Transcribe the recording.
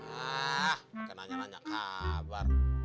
ah pakai nanya nanya kabar